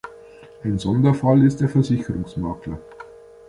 Ein Sonderfall ist der Versicherungsmakler.